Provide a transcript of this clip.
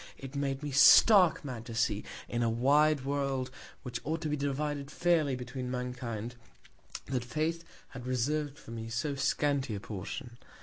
It made me stark mad to see, in a wide World, which ought to be divided fairly between Mankind, that Fate had reserv'd for me so scanty a Portion.